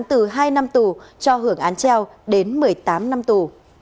từ hai năm tù cho hưởng án treo đến một mươi tám năm tù